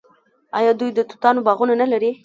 آیا دوی د توتانو باغونه نلري؟